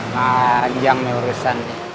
panjang nih urusannya